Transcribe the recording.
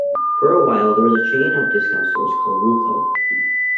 For a while there was a chain of discount stores called Woolco.